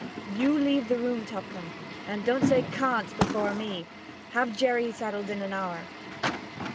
'You leave the room, Tupcombe, and don't say "can't" before me! Have Jerry saddled in an hour.'